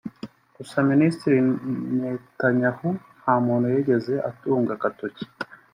Gusa Minisitiri Netanyahu nta muntu yigeze atunga agatoki